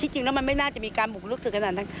จริงแล้วมันไม่น่าจะมีการบุกลุกถึงขนาดนั้น